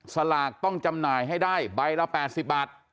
สลากต้องจำหน่ายให้ได้ใบละ๘๐บาท